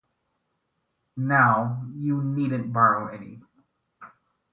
Now you needn’t borrow any.